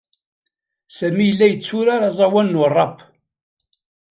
Sami yella yetturar aẓawan n uṛap.